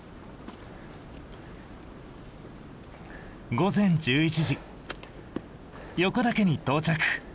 午前１１時横岳に到着。